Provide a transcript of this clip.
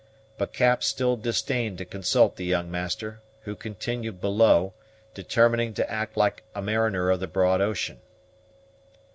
But Cap still disdained to consult the young master, who continued below, determining to act like a mariner of the broad ocean.